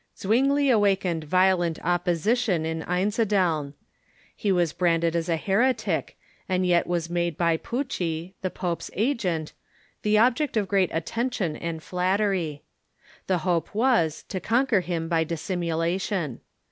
Zwingli awakened violent opposition in Einsiedeln. He was branded as a heretic, and yet was made by Pucci, the pope's agent, the object of great attention and flattery. ^"'with^RomJ"'' "^^^^ '^^P'^ ^^'a^' to conquer him by dissimulation.